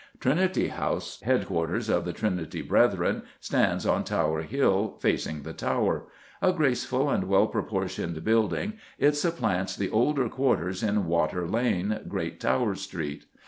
Trinity House, headquarters of the Trinity Brethren, stands on Tower Hill, facing the Tower. A graceful and well proportioned building, it supplants the older quarters in Water Lane, Great Tower Street.